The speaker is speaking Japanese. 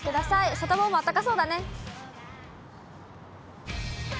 サタボーもあったかそうだね。